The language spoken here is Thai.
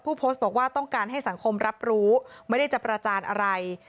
โพสต์บอกว่าต้องการให้สังคมรับรู้ไม่ได้จะประจานอะไร